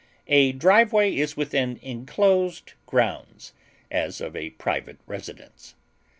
A driveway is within enclosed grounds, as of a private residence.